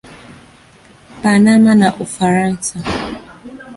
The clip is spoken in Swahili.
Panama na Ufaransa.